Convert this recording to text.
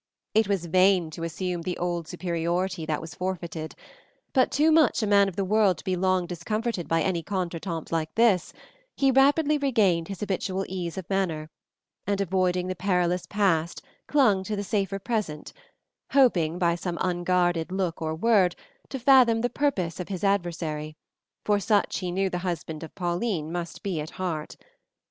It was vain to assume the old superiority that was forfeited; but too much a man of the world to be long discomforted by any contretemps like this, he rapidly regained his habitual ease of manner, and avoiding the perilous past clung to the safer present, hoping, by some unguarded look or word, to fathom the purpose of his adversary, for such he knew the husband of Pauline must be at heart.